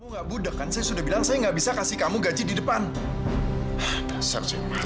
sampai jumpa di video selanjutnya